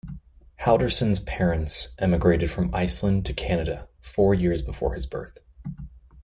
Halldorson's parents emigrated from Iceland to Canada four years before his birth.